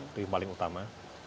itu yang paling utama